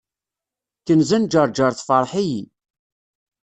Kenza n ǧerǧer tefreḥ-iyi.